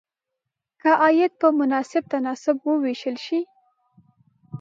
که عاید په مناسب تناسب وویشل شي.